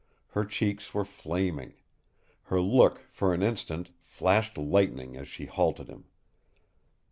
Her cheeks were flaming. Her look, for an instant, flashed lightning as she halted him.